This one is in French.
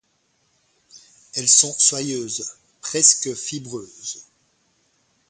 Elles sont soyeuses, presque fibreuses.